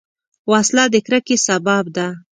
وسله د کرکې سبب ده